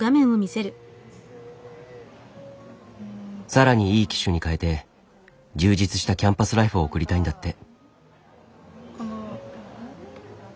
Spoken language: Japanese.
更にいい機種に換えて充実したキャンパスライフを送りたいんだって。